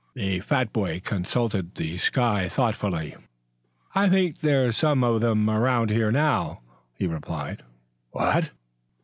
The fat boy consulted the sky thoughtfully. "I think there's some of them around now," he replied. "What?"